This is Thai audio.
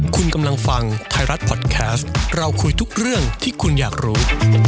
คุณกำลังฟังไทยรัฐพอดแคสต์เราคุยทุกเรื่องที่คุณอยากรู้